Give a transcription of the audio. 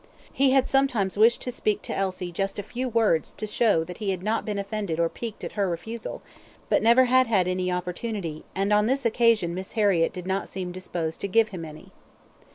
He had sometimes wished to speak to Alice just a few words to show that he had not been offended or piqued at her refusal, but never had had any opportunity, and on this occasion Miss Harriett did not seem disposed to give him any.